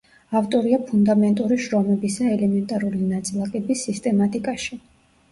ავტორია ფუნდამენტური შრომებისა ელემენტარული ნაწილაკების სისტემატიკაში.